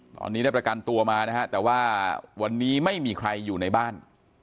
ตอนนี้ได้ประกันตัวมานะฮะแต่ว่าวันนี้ไม่มีใครอยู่ในบ้าน